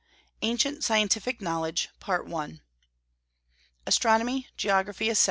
ANCIENT SCIENTIFIC KNOWLEDGE. ASTRONOMY, GEOGRAPHY, ETC.